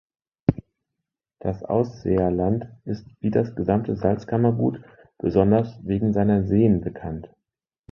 Das Ausseerland ist, wie das gesamte Salzkammergut, besonders wegen seiner Seen bekannt.